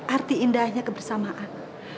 arti indahnya kebersamaan